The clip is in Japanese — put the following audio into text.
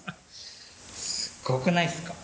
すごくないですか？